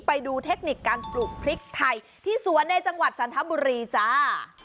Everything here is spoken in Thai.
ไปดูเทคนิคการปลูกพริกไทยที่สวนในจังหวัดจันทบุรีจ้า